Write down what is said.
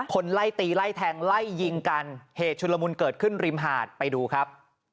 คนไล่ตีไล่แทงไล่ยิงกันเหตุชุลมุนเกิดขึ้นริมหาดไปดูครับ